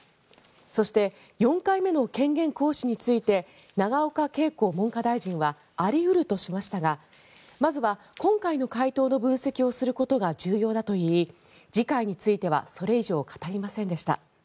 そして４回目の権限行使について永岡桂子文科大臣はあり得るとしましたがまずは今回の回答の分析をすることが重要だと言い次回についてはそれ以上語りませんでした。